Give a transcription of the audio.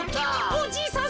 おじいさん